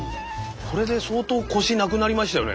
これで相当こしなくなりましたよね？